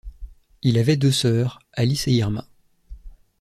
Il avait deux sœurs, Alice et Irma.